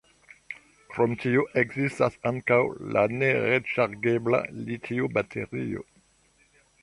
Krom tio ekzistas ankaŭ la ne-reŝargebla litio-baterio.